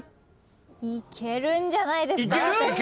いけるんじゃないですか私。